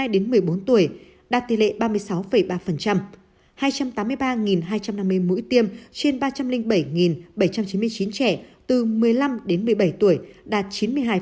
hai một mươi bốn tuổi đạt tỷ lệ ba mươi sáu ba hai trăm tám mươi ba hai trăm năm mươi mũi tiêm trên ba trăm linh bảy bảy trăm chín mươi chín trẻ từ một mươi năm đến một mươi bảy tuổi đạt chín mươi hai